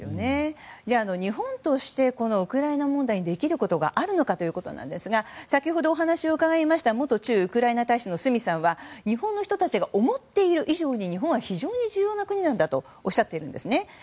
日本としてウクライナ問題にできることがあるのかですが先ほど、お話を伺った元駐ウクライナ大使の角さんは日本の人たちが思っている以上に日本は非常に重要な国なんだとおっしゃっているんですね。